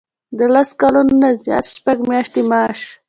د لس کلونو نه زیات شپږ میاشتې معاش.